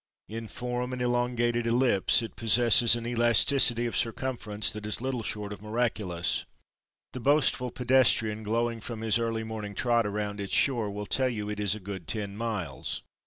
In form an elongated ellipse, it possesses an elasticity of circumference that is little short of miraculous. The boastful pedestrian, glowing from his early morning trot around its shore will tell you it is a good ten miles.